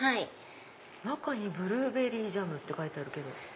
中にブルーベリージャムって書いてあるけど。